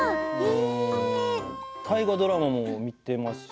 大河ドラマも見ていますし